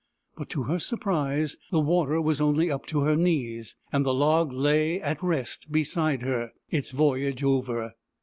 But to her surprise, the water was only up to her knees, and the log lay at rest beside her, its voyage over.